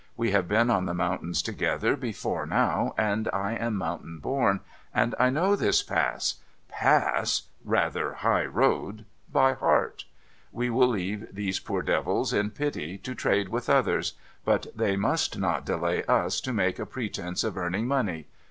We have been on the mountains together before now, and I am mountain born, and I know this Pass — Pass !— rather High Road !— by heart. We will leave these poor devils, in pity, to trade with others ; but they must not delay us to make a pretence of earning money.